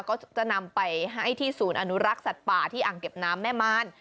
ก็จะนำไปให้ที่ศูนย์อนุรักษ์สัตว์ป่าที่อ่างเก็บน้ำแม่มาร